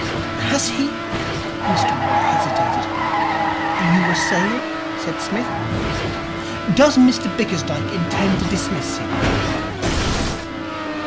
'Has he ?' Mr Waller hesitated. 'You were saying?' said Psmith. 'Does Mr Bickersdyke intend to dismiss him?'